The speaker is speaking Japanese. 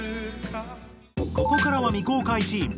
ここからは未公開シーン。